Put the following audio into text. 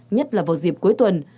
nhất là vào dịp cuối tuần